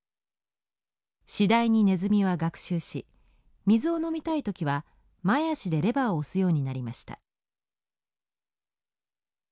次第にネズミは学習し水を飲みたい時は前足でレバーを押すようになりました。